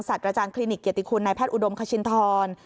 อาจารย์คลินิกเกียรติคุณนายแพทย์อุดมคชินทร